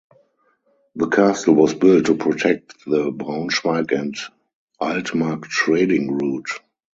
The castle was built to protect the Braunschweig and Altmark trading route.